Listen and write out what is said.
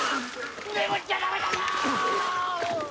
眠っちゃダメだよーっ！